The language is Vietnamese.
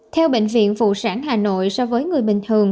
theo bệnh viện phụ sản hà nội so với người bình thường